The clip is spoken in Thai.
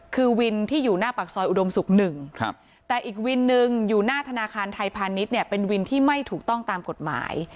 คือวินที่อยู่หน้าปากซอยอุดมศุกร์๑แต่อีกวินหนึ่งอยู่หน้าธนาคารไทยพาณิชย์เนี่ยเป็นวินที่ไม่ถูกต้องตามกฎหมาย